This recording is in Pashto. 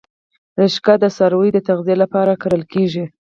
رشقه د څارویو د تغذیې لپاره کرل کیږي